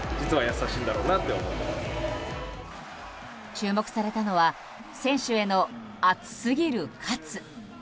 注目されたのは選手への熱すぎる喝。